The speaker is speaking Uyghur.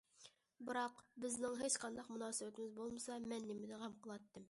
بىراق، بىزنىڭ ھېچقانداق مۇناسىۋىتىمىز بولمىسا، مەن نېمىدىن غەم قىلاتتىم؟!